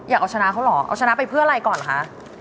อยากเอาชนะเขาเหรอเอาชนะไปเพื่ออะไรก่อนคะ